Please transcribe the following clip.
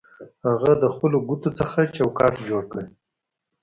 هغه د خپلو ګوتو څخه چوکاټ جوړ کړ